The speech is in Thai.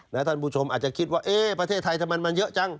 ท่านผู้ชมอาจจะคิดว่าเอ๊ะประเทศไทยทำไมมันเยอะจัง